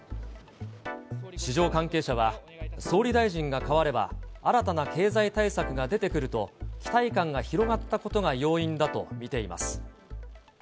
市場関係者は、総理大臣が代われば、新たな経済対策が出てくると、期待感が広がったことが要因だと見ています。